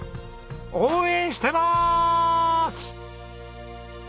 応援してます！